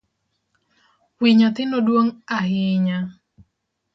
Wi nyathino duong’ ahinya